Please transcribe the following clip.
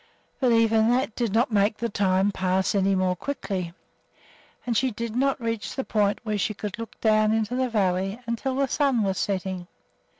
But even that did not make the time pass any more quickly, and she did not reach the point where she could look down into the valley until the sun was setting.